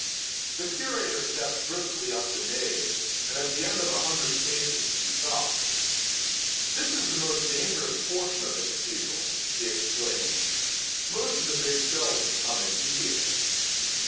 The curator stepped briskly up the nave, and at the end of a hundred paces he stopped. "This is the most dangerous portion of the cathedral," he explained. "Most of the big shells have come in here."